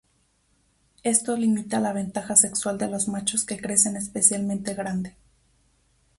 Esto limita la ventaja sexual de los machos que crecen especialmente grande.